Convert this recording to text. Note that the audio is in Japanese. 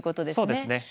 そうですね。